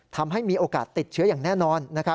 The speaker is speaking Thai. ทำให้มีโอกาสติดเชื้ออย่างแน่นอน